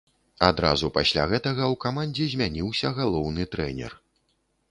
Адразу пасля гэтага ў камандзе змяніўся галоўны трэнер.